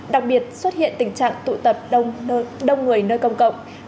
đặc biệt xuất hiện tình trạng tụ tập đông người nơi công cộng